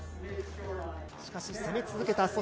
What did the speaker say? しかし攻め続けた。